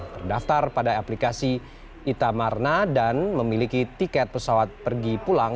terdaftar pada aplikasi itamarna dan memiliki tiket pesawat pergi pulang